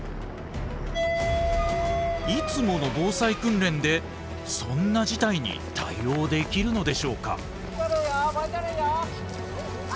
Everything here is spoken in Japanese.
いつもの防災訓練でそんな事態に対応できるのでしょうか？